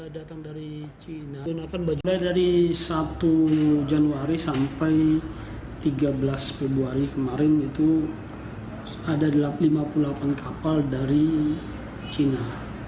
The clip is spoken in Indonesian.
datang dari satu januari sampai tiga belas februari kemarin itu ada lima puluh delapan kapal dari china